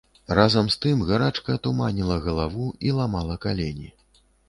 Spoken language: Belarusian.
Разам з тым гарачка туманіла галаву і ламала калені.